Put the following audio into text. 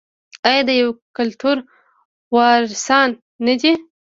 آیا د یو کلتور وارثان نه دي؟